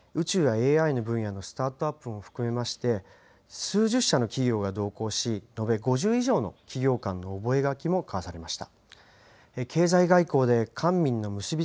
さらに今回の歴訪には、宇宙やＡＩのスタートアップも含めまして、数十社の企業が同行し、延べ５０以上の企業間の覚書も交わされました。